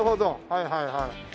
はいはいはい。